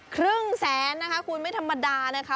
ครึ่งแสนนะคะคุณไม่ธรรมดานะคะ